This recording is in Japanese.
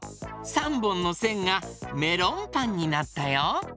３ぼんのせんがメロンパンになったよ。